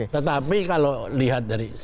tetapi kalau lihat dari